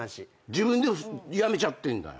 自分でやめちゃってんだよ。